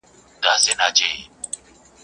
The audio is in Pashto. شمعي ته څه مه وایه!.